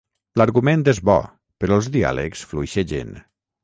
L'argument és bo, però els diàlegs fluixegen.